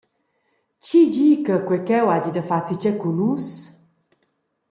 Tgi di che quei cheu hagi da far enzatgei cun nus?